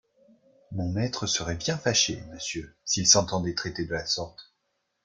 Mon maître serait bien fâché, monsieur, s’il s’entendait traiter de la sorte.